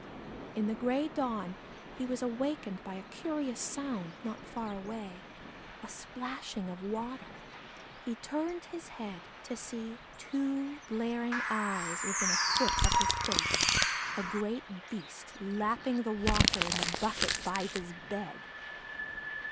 In the gray dawn he was awakened by a curious sound not far away a splashing of water. He turned his head to see two glaring eyes within a foot of his face a great Beast lapping the water in the bucket by his bed.